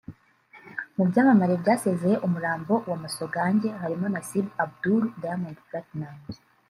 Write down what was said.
Mu byamamare byasezeye umurambo wa Masogange harimo Nasibu Abdul ‘Diamond Platnumz’